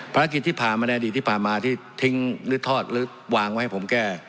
ภารกิจที่ผ่านมาในอดีตที่ผ่านมาที่ทิ้งหรือทอดหรือวางไว้ให้ผมแก้